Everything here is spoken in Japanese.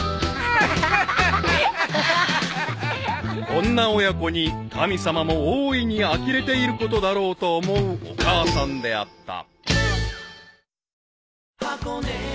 ［こんな親子に神様も大いにあきれていることだろうと思うお母さんであった］